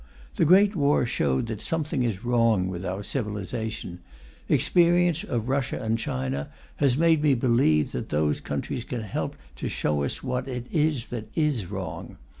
The Great War showed that something is wrong with our civilization; experience of Russia and China has made me believe that those countries can help to show us what it is that is wrong.